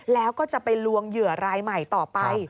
แล้วก็จะไปลวงเหยื่อรายใหม่ต่อไป